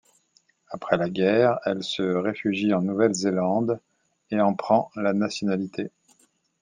Après la guerre, elle se réfugie en Nouvelle-Zélande et en prend la nationalité.